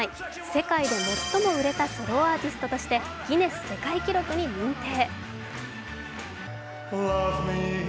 世界で最も売れたソロアーティストとしてギネス世界記録に認定。